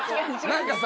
何かさ